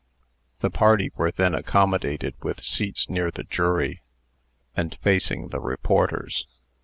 The party were then accommodated with seats near the jury, and facing the reporters.